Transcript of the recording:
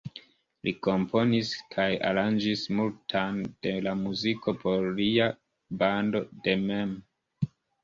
Li komponis kaj aranĝis multan de la muziko por lia bando de mem.